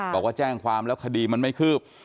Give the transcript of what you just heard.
บอกว่าแจ้งความแล้วคดีมันไม่คืบ